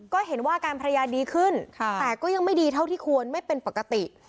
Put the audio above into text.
ก็เห็นว่าอาการภรรยาดีขึ้นแต่ก็ยังไม่ดีเท่าที่ควรไม่เป็นปกติ